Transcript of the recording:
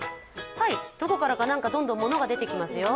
どこからか何かどんどんものが出てきますよ。